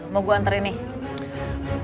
mau gue anterin nih